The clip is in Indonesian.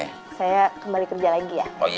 kita kembali kerja lagi ya